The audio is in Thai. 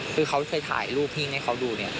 คือเขาเคยถ่ายรูปพี่ให้เขาดูเนี่ย